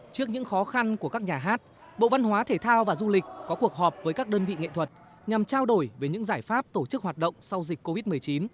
trước những khó khăn của các nhà hát bộ văn hóa thể thao và du lịch có cuộc họp với các đơn vị nghệ thuật nhằm trao đổi về những giải pháp tổ chức hoạt động sau dịch covid một mươi chín